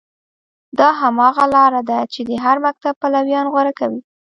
دا هماغه لاره ده چې د هر مکتب پلویان غوره کوي.